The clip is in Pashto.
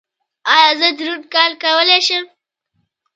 ایا زه دروند کار کولی شم؟